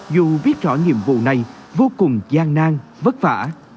nói nhiệm vụ này vô cùng gian nang vất vả